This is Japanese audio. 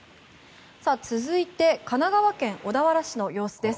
続いて神奈川県小田原市の様子です。